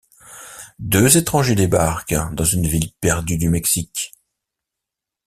Deux étrangers débarquent dans une ville perdue du Mexique.